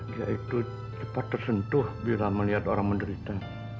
dia itu cepat tersentuh bila melihat orang menderita